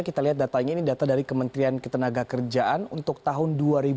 kita lihat data ini ini data dari kementerian ketenaga kerjaan untuk tahun dua ribu lima belas